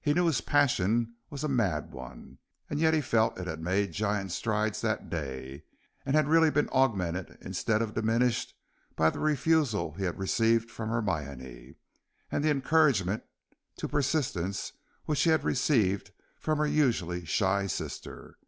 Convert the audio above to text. He knew his passion was a mad one, and yet he felt that it had made giant strides that day, and had really been augmented instead of diminished by the refusal he had received from Hermione, and the encouragement to persistence which he had received from her usually shy sister.